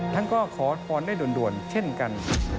ท่านก็ขอพรได้ด่วนเช่นกัน